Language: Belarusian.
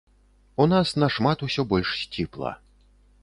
У нас нашмат усё больш сціпла.